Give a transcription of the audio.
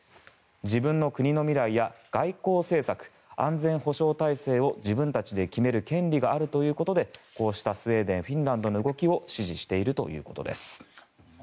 自分の国の未来や外交政策安全保障体制を自分たちで決める権利があるということでこうしたスウェーデンフィンランドの動きを支持しているということです。